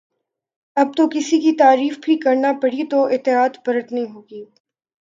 اب تو کسی کی تعریف بھی کرنا پڑی تو احتیاط برتنی ہو گی